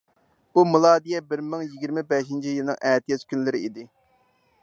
بۇ مىلادىيە بىر مىڭ يىگىرمە بەشىنچى يىلنىڭ ئەتىياز كۈنلىرى ئىدى.